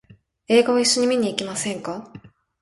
映画を一緒に見に行きませんか？